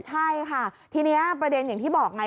ใช่ค่ะทีนี้ประเด็นอย่างที่บอกไง